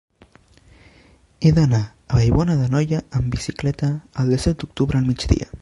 He d'anar a Vallbona d'Anoia amb bicicleta el disset d'octubre al migdia.